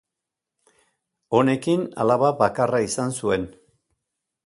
Honekin, alaba bakarra izan zuen.